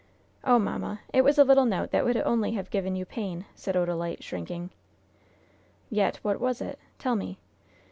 "Oh, mamma, it was a little note that would only have given you pain!" said Odalite, shrinking. "Yet what was it? Tell me."